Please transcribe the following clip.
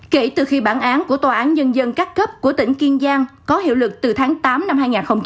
kể từ khi bản án của tòa án nhân dân cắt cấp của tỉnh kiên giang có hiệu lực từ tháng tám năm hai nghìn một mươi bảy